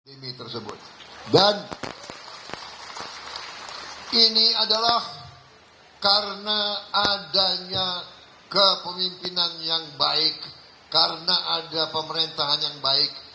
ini tersebut dan ini adalah karena adanya kepemimpinan yang baik karena ada pemerintahan yang baik